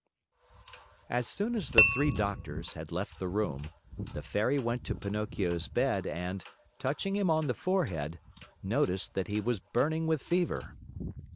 As soon as the three doctors had left the room, the Fairy went to Pinocchio's bed and, touching him on the forehead, noticed that he was burning with fever.